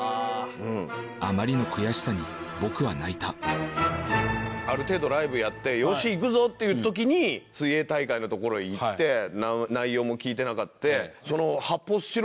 「ああ」ある程度ライブやって「よしいくぞ！」っていう時に水泳大会のところへ行って内容も聞いてなくて。